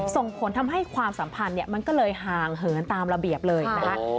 ส่งผลทำให้ความสัมพันธ์มันก็เลยห่างเหินตามระเบียบเลยนะคะ